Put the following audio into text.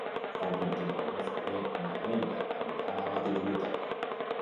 El vint-i-nou de febrer na Neida anirà a la biblioteca.